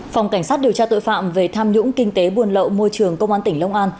phòng cảnh sát điều tra tội phạm về tham nhũng kinh tế buồn lậu môi trường công an tp hcm